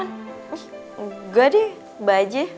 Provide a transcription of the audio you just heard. nih enggak deh baji